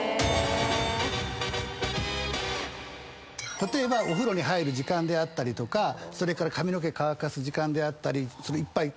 例えばお風呂に入る時間であったり髪の毛乾かす時間であったり１杯何か。